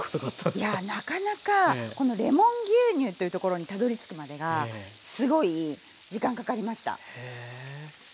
いやなかなかこのレモン牛乳というところにたどりつくまでがすごい時間かかりました。